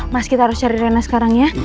mas kita harus cari dana sekarang ya